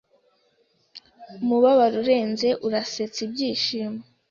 Umubabaro urenze urasetsa Ibyishimo